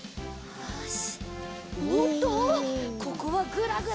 よし！